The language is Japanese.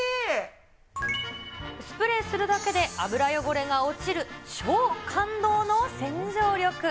スプレーするだけで、油汚れが落ちる超感動の洗浄力。